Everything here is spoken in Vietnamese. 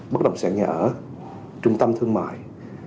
bất động sản nhà ở trung tâm thương mại